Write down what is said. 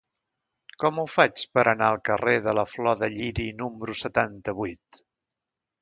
Com ho faig per anar al carrer de la Flor de Lliri número setanta-vuit?